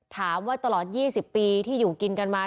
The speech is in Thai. ถามว่าตลอด๒๐ปีที่อยู่กินกันมา